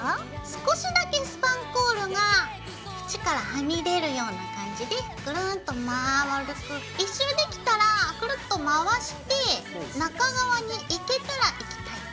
少しだけスパンコールが縁からはみ出るような感じでぐるんっと丸く１周できたらくるっと回して中側にいけたらいきたい。